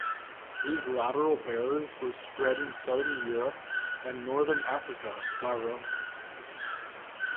These lateral-bearers were spread in southern Europe and northern Africa by Romans.